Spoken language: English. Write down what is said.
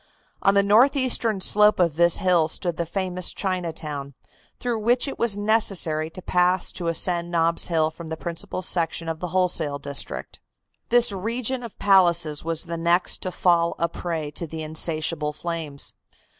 On the northeastern slope of this hill stood the famous Chinatown, through which it was necessary to pass to ascend Nob's Hill from the principal section of the wholesale district. This region of palaces was the next to fall a prey to the insatiable flames.